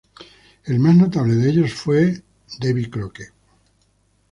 El más notable de ellos fue el Davy Crockett.